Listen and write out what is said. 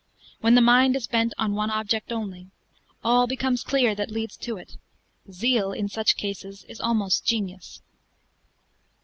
When the mind is bent on one object only, all becomes clear that leads to it; zeal, in such cases, is almost genius."